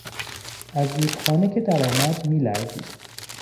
از رودخانه که درآمد میلرزید.